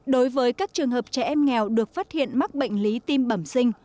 đối với các trường hợp trẻ em nghèo được phát hiện mắc bệnh lý tim bẩm sinh